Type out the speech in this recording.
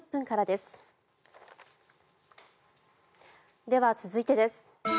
では、続いてです。